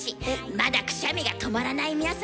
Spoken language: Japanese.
まだくしゃみが止まらない皆さん。